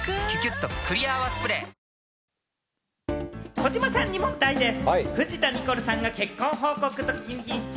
児嶋さんに問題でぃす。